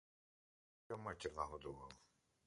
Прийшов я, матір нагодував.